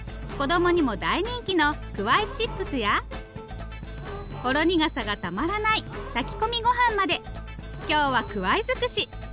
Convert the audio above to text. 子供にも大人気のくわいチップスやほろ苦さがたまらない炊き込みごはんまで今日はくわいづくし。